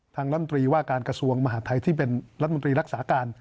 ลำตรีว่าการกระทรวงมหาดไทยที่เป็นรัฐมนตรีรักษาการ